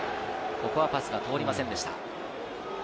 ここはパスが通りませんでした。